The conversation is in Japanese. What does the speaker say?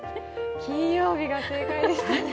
金曜日が正解でしたね。